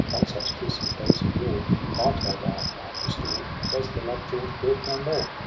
One such kiss as those of yore Might thy dying knight restore ! Does the love draught work no more?